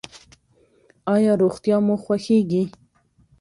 ایا روغتیا مو خوښیږي؟